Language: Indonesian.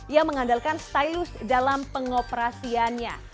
yang mengandalkan stylus dalam pengoperasiannya